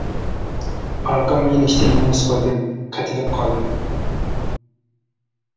ئارقامغا يېنىشتىن نومۇس قىلدىم، قېتىلىپ قالدىم.